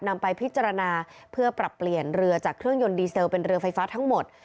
นำไปพิจารณาเพื่อปรับเปลี่ยนเรือจากเครื่องยนต์ดีเซลเป็นเรือไฟฟ้าทั้งหมด